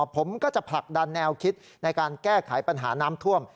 ผมก็จะผลักดันแนวคิดในการแก้ไขปัญหาน้ำท่วม